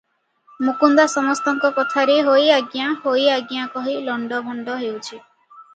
ମୁକୁନ୍ଦା ସମସ୍ତଙ୍କ କଥାରେ ହୋଇ ଆଜ୍ଞା, ହୋଇ ଆଜ୍ଞା କହି ଲଣ୍ତଭଣ୍ତ ହେଉଛି ।